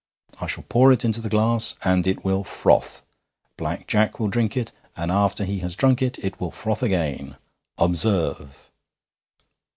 I shall pour it into the glass, and it will froth. Black Jack will drink it, and after he has drunk it will froth again. Observe!'